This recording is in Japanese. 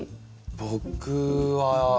僕は。